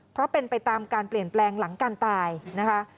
เพราะเป็นไปตามการเปลี่ยนแปลงหลังการตายนะคะ